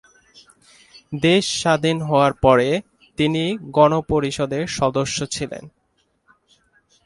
দেশ স্বাধীন হওয়ার পরে তিনি গণপরিষদের সদস্য ছিলেন।